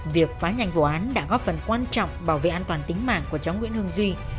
việc phá nhanh vụ án đã góp phần quan trọng bảo vệ an toàn tính mạng của cháu nguyễn hưng duy